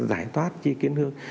giải thoát chi kiến hương